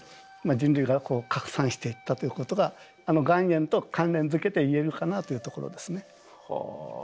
人類が拡散していったということが岩塩と関連づけて言えるかなというところですね。